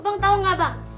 bang tau gak bang